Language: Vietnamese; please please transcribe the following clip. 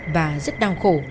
và rất đau khổ